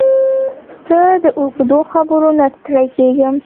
زه د اوږدو خبرو نه ستړی کېږم.